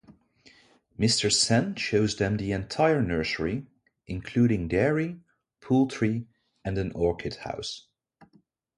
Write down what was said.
Mr sen shows them the entire nursery including dairy, poultry and an orchid house.